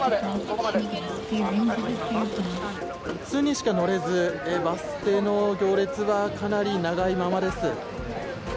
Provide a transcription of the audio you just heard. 数人しか乗れずバス停の行列はかなり長いままです。